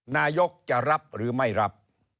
นายกจะรับหรือไม่รับ